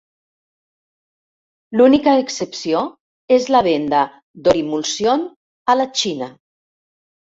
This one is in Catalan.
L'única excepció és la venda d'Orimulsion a la Xina.